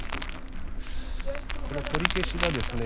この取り消しがですね